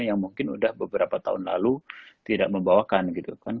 yang mungkin sudah beberapa tahun lalu tidak membawakan gitu kan